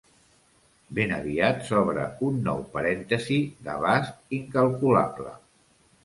Ben aviat s'obre un nou parèntesi d'abast incalculable.